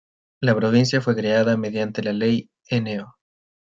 La Provincia fue creada mediante la Ley No.